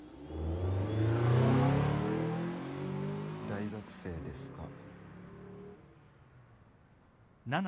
大学生ですか？